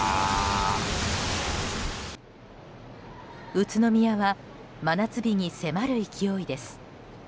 宇都宮は真夏日に迫る勢いです。